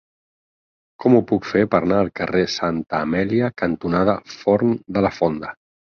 Com ho puc fer per anar al carrer Santa Amèlia cantonada Forn de la Fonda?